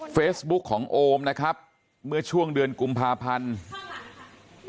เฟสบุ๊คของโอมเมื่อช่วงเดือนกุมภาพันธุ์